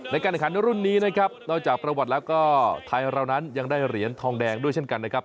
ในการแข่งขันรุ่นนี้นะครับนอกจากประวัติแล้วก็ไทยเรานั้นยังได้เหรียญทองแดงด้วยเช่นกันนะครับ